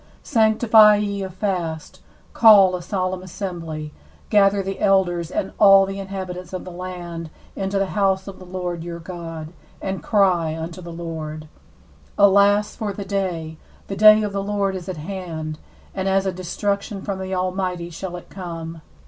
14Sanctify ye a fast, call a solemn assembly, gather the elders and all the inhabitants of the land into the house of the Lord your God, and cry unto the Lord, 15Alas for the day! for the day of the Lord is at hand, and as a destruction from the Almighty shall it come.